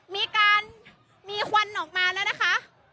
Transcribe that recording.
มีการมีควันออกมาแล้วนะคะ